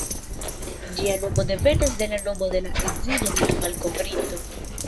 Ĝia nomo devenas de la nomo de la edzino de la malkovrinto.